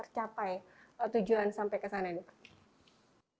tercapai tujuan sampai ke sana nih pak